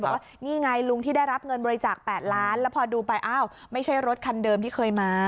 บอกว่านี่ไงลุงที่ได้รับเงินบริจาค๘ล้านแล้วพอดูไปอ้าวไม่ใช่รถคันเดิมที่เคยมา